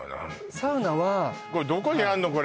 サウナはこれどこにあんのこれ？